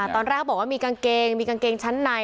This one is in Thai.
ตอนแรกเขาบอกว่ามีกางเกงมีกางเกงชั้นใน